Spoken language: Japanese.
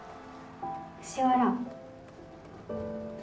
藤原。